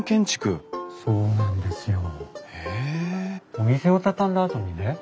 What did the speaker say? お店を畳んだあとにね